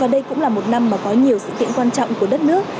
và đây cũng là một năm mà có nhiều sự kiện quan trọng của đất nước